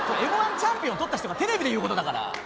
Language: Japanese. Ｍ−１チャンピオンとった人がテレビで言うことだから。